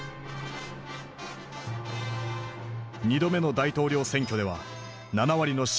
２度目の大統領選挙では７割の支持を獲得。